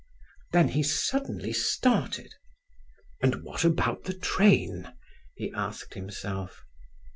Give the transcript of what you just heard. Then he suddenly started. "And what about the train?" he asked himself.